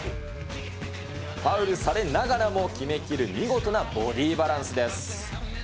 ファウルされながらも決めきる見事なボディーバランスです。